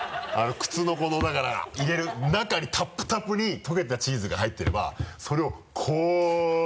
靴のこのだから入れる中にたっぷたぷに溶けたチーズが入ってればそれをこう。